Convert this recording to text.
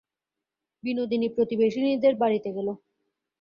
বিনোদিনী প্রতিবেশিনীদের বাড়িতে গেল।